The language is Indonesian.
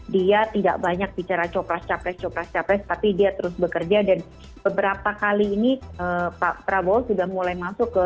dia tidak banyak bicara copras capres copras capres tapi dia terus bekerja dan beberapa kali ini pak prabowo sudah mulai masuk ke